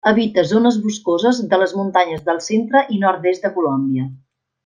Habita zones boscoses de les muntanyes del centre i nord-est de Colòmbia.